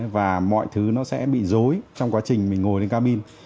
và mọi thứ nó sẽ bị dối trong quá trình mình ngồi lên cabin